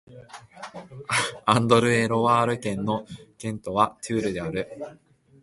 アンドル＝エ＝ロワール県の県都はトゥールである